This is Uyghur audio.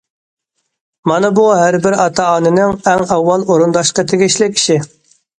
مانا بۇ ھەر بىر ئاتا- ئانىنىڭ ئەڭ ئاۋۋال ئورۇنداشقا تېگىشلىك ئىشى.